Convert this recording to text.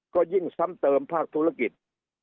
ก็ยิ่งซ้ำเติมภาคธุรกิจ